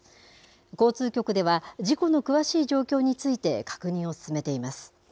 交通局では、事故の詳しい状況について確認を進めています。